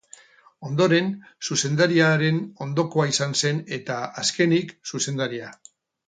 Ondoren, zuzendariaren ondokoa izan zen eta, azkenik, zuzendaria.